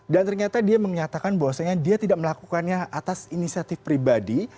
dan ternyata dia menyatakan bahwasannya dia tidak melakukannya atas inisiatif pribadi